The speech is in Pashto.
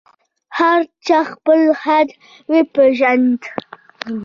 هر چا خپل حد وپېژاند.